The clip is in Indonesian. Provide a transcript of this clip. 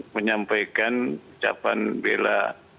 menyampaikan ucapan bela